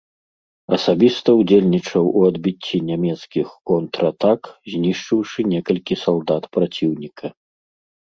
Асабіста ўдзельнічаў у адбіцці нямецкіх контратак, знішчыўшы некалькі салдат праціўніка.